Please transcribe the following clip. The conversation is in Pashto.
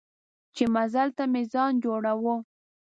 چې مزل ته مې ځان جوړاوه.